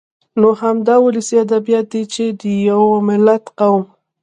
نو همدا ولسي ادبيات دي چې د يوه ملت ، قوم